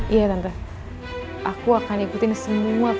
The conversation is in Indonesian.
iya tante aku akan ikutin semua perintah tante